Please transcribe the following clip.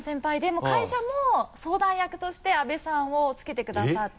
もう会社も相談役として阿部さんをつけてくださって。